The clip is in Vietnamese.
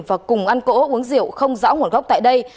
và cùng ăn cỗ uống rượu không rõ nguồn gốc tại đây